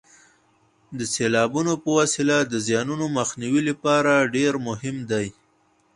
د سیلابونو په وسیله د زیانونو مخنیوي لپاره ډېر مهم دي.